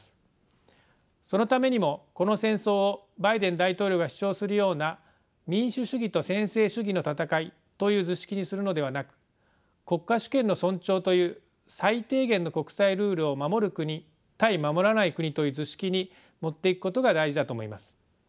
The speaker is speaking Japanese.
そのためにもこの戦争をバイデン大統領が主張するような民主主義と専制主義の戦いという図式にするのではなく国家主権の尊重という最低限の国際ルールを守る国対守らない国という図式に持っていくことが大事だと思います。